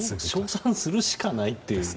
称賛するしかないという。